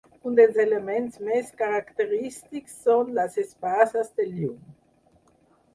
Un dels elements més característics són les espases de llum.